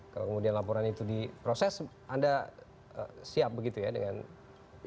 kalau kemudian laporan itu diproses anda siap begitu ya dengan ini